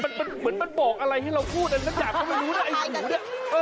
มันมันมันมันบอกอะไรให้เราพูดอันนั้นอยากเขาไม่รู้นะไอ้หูเนี่ย